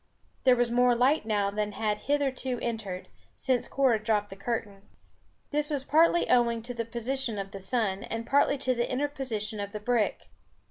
There was more light now than had hitherto entered, since Cora dropped the curtain. This was partly owing to the position of the sun, and partly to the interposition of the brick.